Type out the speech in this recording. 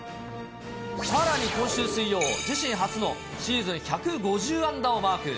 さらに今週水曜、自身初のシーズン１５０安打をマーク。